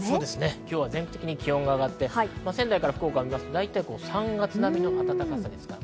今日は全国的に気温が上がって、仙台から福岡みますと、大体３月くらいの暖かさです。